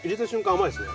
甘いですね。